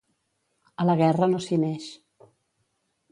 A la guerra no s'hi neix.